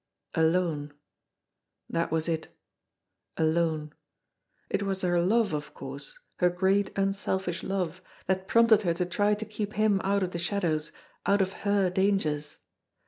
Alone ! That was it alone! It was her love, of course, her great unselfish love, that prompted her to try to keep him out of the "shadows," out of her dangers.